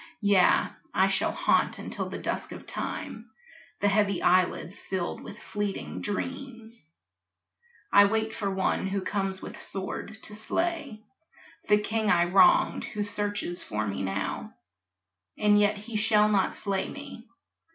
Yea, I shall haunt until the dusk of time The heavy eyelids filled with fleeting dreams. I wait for one who comes with sword to slay The king I wronged who searches for me now; And yet he shall not slay me.